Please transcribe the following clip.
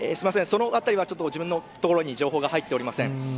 そのあたりは自分のところに情報が入っておりません。